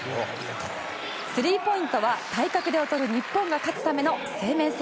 スリーポイントは体格で劣る日本が勝つための生命線。